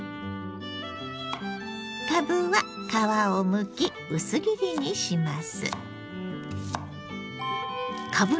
かぶは皮をむき薄切りにします。